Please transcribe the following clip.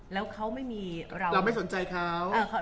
แล้วเขาไม่มีเราเราไม่สนใจเขา